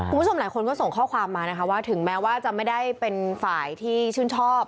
คุณผู้ชมหลายคนก็ส่งข้อความมานะคะว่าถึงแม้ว่าจะไม่ได้เป็นฝ่ายที่ชื่นชอบ